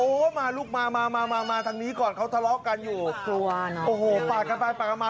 โอ้มาลูกมามามามามาทางนี้ก่อนเขาทะเลาะกันอยู่โอ้โหปากกันไปปากกันมา